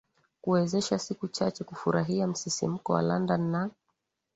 Kuwezesha siku chache kufurahia msisimko wa London na